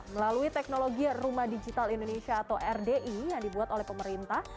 melalui teknologi rumah digital indonesia atau rdi yang dibuat oleh pemerintah